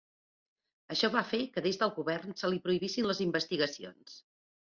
Això va fer que des del govern se li prohibissin les investigacions.